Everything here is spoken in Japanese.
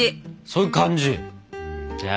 そういう感じ。